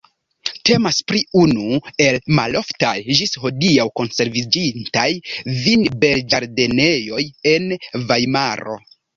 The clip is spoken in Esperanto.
Temas pri unu el maloftaj ĝis hodiaŭ konserviĝintaj vinberĝardenejoj en Vajmaro.